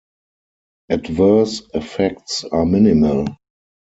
Adverse effects are minimal.